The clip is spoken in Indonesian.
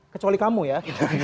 kecuali kamu ya